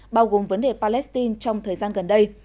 bao gồm vấn đề palestine trong thời gian gần đây